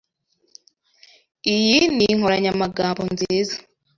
Iyi ni inkoranyamagambo nziza.